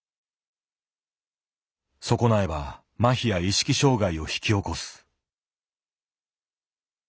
損なえば麻痺や意識障害を引き起こす。